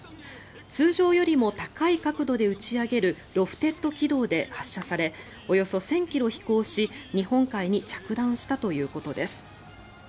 通常よりも高い角度で打ち上げるロフテッド軌道で発射されおよそ１０００ｋｍ飛行し日本海に着弾したということです。